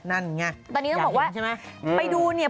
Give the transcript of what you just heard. นั่นไงอยากเห็นใช่ไหมไม่ได้ตอนนี้ต้องบอกว่าไปดูเนี่ย